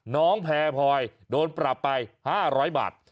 น้องแพรพลอยโดนปรับไป๕๐๐บาท